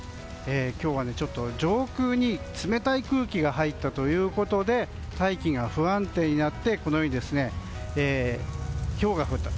今日は上空に冷たい空気が入ったということで大気が不安定になってこのようにひょうが降ったと。